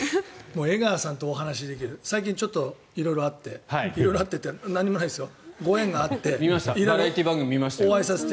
江川さんとお話しできる最近、ちょっと色々あって色々あってって何もないですよご縁があってバラエティー番組見ましたよ。